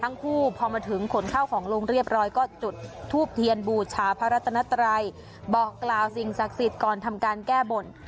พอมาถึงขนข้าวของลงเรียบร้อยก็จุดทูบเทียนบูชาพระรัตนัตรัยบอกกล่าวสิ่งศักดิ์สิทธิ์ก่อนทำการแก้บน